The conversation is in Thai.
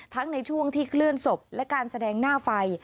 ในช่วงที่เคลื่อนศพและการแสดงหน้าไฟ